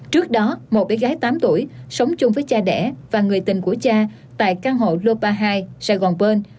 trước đó một bé gái tám tuổi sống chung với cha đẻ và người tình của cha tại căn hộ lopa hai sài gòn pơn